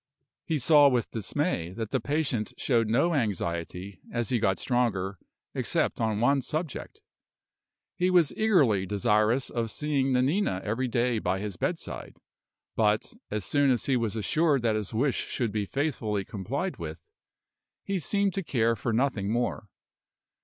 He saw with dismay that the patient showed no anxiety, as he got stronger, except on one subject. He was eagerly desirous of seeing Nanina every day by his bedside; but, as soon as he was assured that his wish should be faithfully complied with, he seemed to care for nothing more.